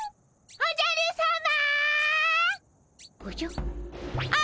おじゃるさま！